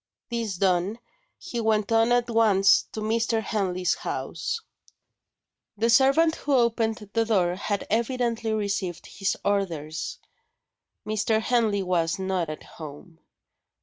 This done, he went on at once to Mr. Henley's house. The servant who opened the door had evidently received his orders. Mr. Henley was "not at home."